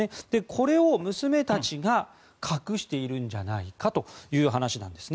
これを娘たちが隠しているんじゃないかという話なんです。